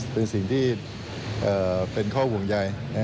เป็นสิ่งที่เป็นข้อห่วงใย